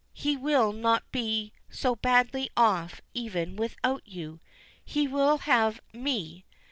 He will not be so badly off even without you. He will have me!"